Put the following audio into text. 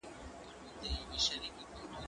کېدای سي ږغ کم وي؟!